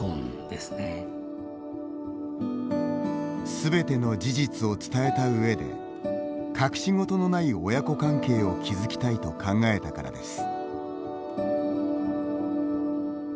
すべての事実を伝えたうえで隠し事のない親子関係を築きたいと考えたからです。